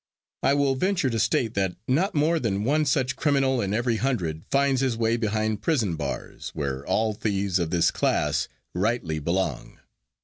I will venture to state that not more than one such criminal in every hundred finds his way behind prison bars, where all thieves of this class rightly belong.